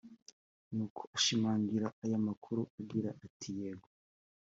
nuko ashimangira aya makuru agira ati “yego